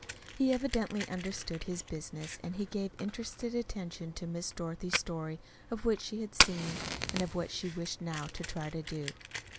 He evidently understood his business, and he gave interested attention to Miss Dorothy's story of what she had seen, and of what she wished now to try to do.